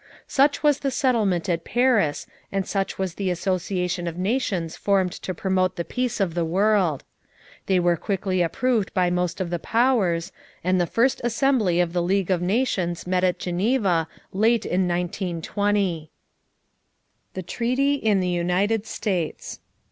Such was the settlement at Paris and such was the association of nations formed to promote the peace of the world. They were quickly approved by most of the powers, and the first Assembly of the League of Nations met at Geneva late in 1920. =The Treaty in the United States.